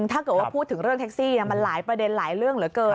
ถ้าเกิดว่าพูดถึงเรื่องแท็กซี่มันหลายประเด็นหลายเรื่องเหลือเกิน